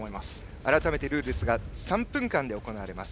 改めてルールですが３分間で行われます。